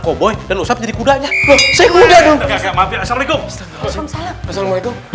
koboi dan usap jadi kudanya saya udah belum terima kasih assalamualaikum assalamualaikum